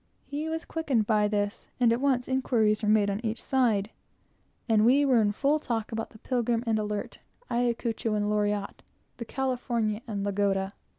He was quickened by this, and at once inquiries were made on each side, and we were in full talk about the Pilgrim and Alert, Ayacucho and Loriotte, the California and Lagoda.